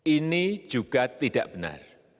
ini juga tidak benar